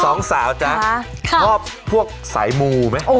สองสาวจะชอบพวกสายมูมั้ย